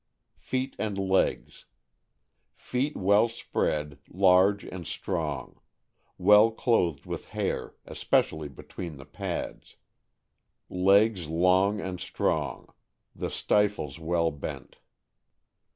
Feet and legs. — Feet well spread, large, and strong; well clothed with hair, especially between the pads. Legs long and strong; the stifles well bent.